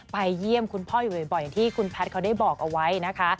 ไปเยี่ยมคุณพ่ออยู่บ่อยอย่างที่คุณแพทย์เขาได้บอกเอาไว้นะคะ